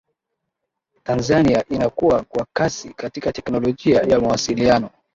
tanzania inakua kwa kasi katika teknolojia ya mawasiliano